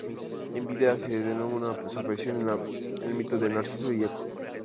Envidia hace de nuevo su aparición en el mito de Narciso y Eco.